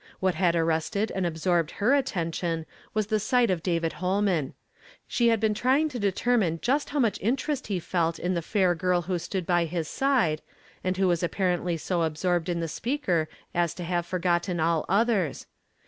What had arrested and absorl, ed herattenticm was the siglit of David Ilohiu. i. 8he had been trying to determine just how much inter est he felt in the fair girl who stood by his side, and who was apparently so absorbed in the speaker as to have forgotten all others.